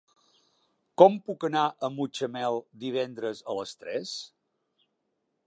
Com puc anar a Mutxamel divendres a les tres?